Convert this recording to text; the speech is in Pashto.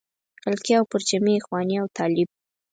خلقي او پرچمي اخواني او طالب.